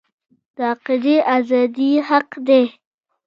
د عقیدې ازادي حق دی